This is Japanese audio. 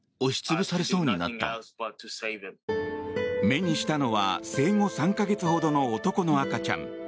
目にしたのは生後３か月ほどの男の赤ちゃん。